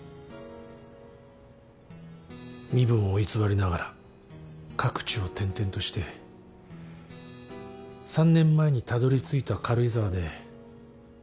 身分を偽りながら各地を転々として３年前にたどりついた軽井沢で。